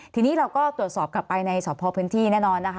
ทีนี้เราก็ตรวจสอบกลับไปในสอบพอพื้นที่แน่นอนนะคะ